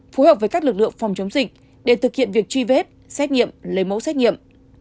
phối hợp với các lực lượng phòng chống dịch để thực hiện việc truy vết xét nghiệm lấy mẫu xét nghiệm